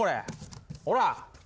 ほら。